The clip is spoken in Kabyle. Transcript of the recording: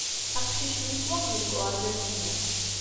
Aqcic-nni yettwaqbel deg uɣerbaz-nni.